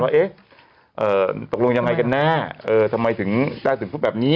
ว่าตกลงยังไงกันแน่ทำไมถึงได้ถึงพูดแบบนี้